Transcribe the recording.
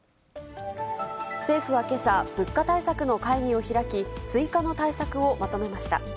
政府はけさ、物価対策の会議を開き、追加の対策をまとめました。